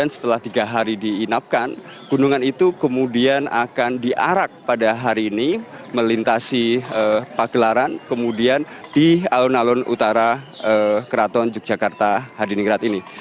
setelah tiga hari diinapkan gunungan itu kemudian akan diarak pada hari ini melintasi pagelaran kemudian di alun alun utara keraton yogyakarta hadiningrat ini